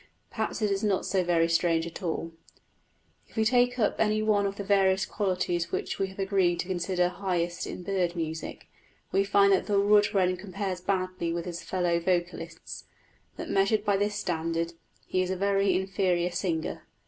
Perhaps it is not so very strange after all. If we take any one of the various qualities which we have agreed to consider highest in bird music, we find that the wood wren compares badly with his fellow vocalists that, measured by this standard, he is a very inferior singer.